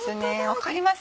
分かります？